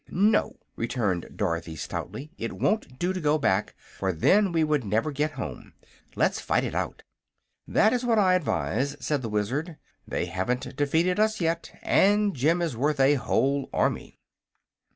"No," returned Dorothy, stoutly, "it won't do to go back, for then we would never get home. Let's fight it out." "That is what I advise," said the Wizard. "They haven't defeated us yet, and Jim is worth a whole army."